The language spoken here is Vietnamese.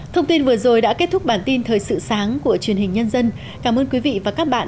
thông tin vừa rồi đã kết thúc bản tin thời sự sáng của truyền hình nhân dân cảm ơn quý vị và các bạn